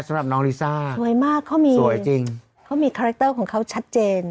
สำหรับน้องลิซ่าสวยมากเขามีสวยจริงเขามีคาแรคเตอร์ของเขาชัดเจน